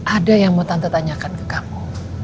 ada yang mau tante tanyakan ke kamu